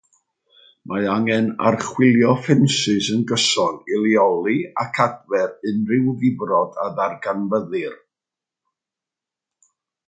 Mae angen archwilio ffensys yn gyson i leoli ac adfer unrhyw ddifrod a ddarganfyddir.